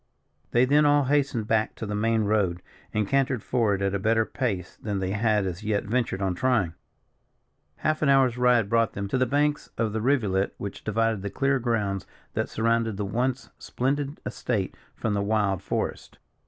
They then all hastened back to the main road, and cantered forward at a better pace than they had as yet ventured on trying. Half an hour's ride brought them to the banks of the rivulet which divided the clear grounds that surrounded the once splendid estate from the wild forest.